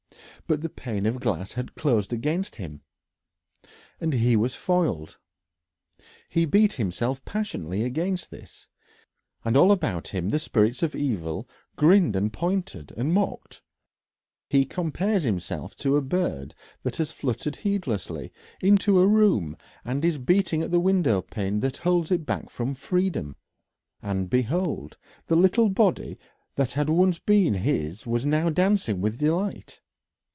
But the pane of glass had closed against him again, and he was foiled. He beat himself passionately against this, and all about him the spirits of evil grinned and pointed and mocked. He gave way to furious anger. He compares himself to a bird that has fluttered heedlessly into a room and is beating at the window pane that holds it back from freedom. And behold! the little body that had once been his was now dancing with delight.